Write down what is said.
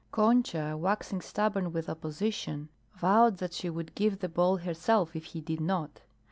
Concha, waxing stubborn with opposition, vowed that she would give the ball herself if he did not.